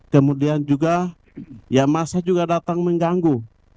kemudian juga yamasa juga datang mengganggu